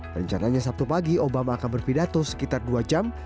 rencananya sabtu pagi obama akan berpidato sekitar dua jam